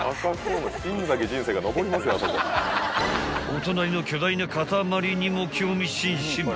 ［お隣の巨大な塊にも興味津々］